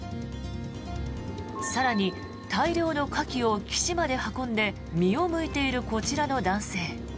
更に大量のカキを岸まで運んで身をむいているこちらの男性。